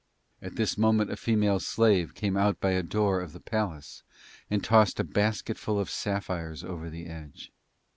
At this moment a female slave came out by a door of the palace and tossed a basket full of sapphires over the edge.